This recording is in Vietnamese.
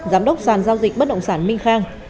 giám đốc sàn giao dịch bất động sản minh khang